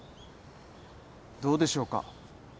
どうでしょうか。